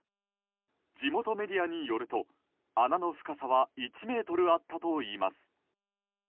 地元メディアによると穴の深さは１ｍあったといいます。